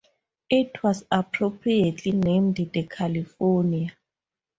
It was appropriately named the "California".